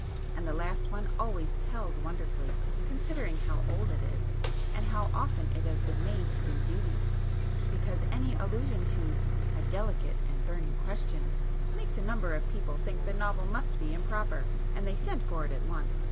And the last one always 'tells' wonderfully, considering how old it is, and how often it has been made to do duty, because any allusion to a 'delicate and burning question' makes a number of people think the novel must be improper, and they send for it at once!"